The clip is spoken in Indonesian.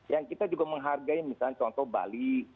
yang kita juga menghargai misalnya contoh bali